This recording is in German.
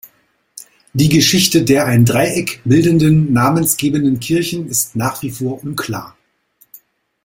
Die Geschichte der ein Dreieck bildenden namensgebenden Kirchen ist nach wie vor unklar.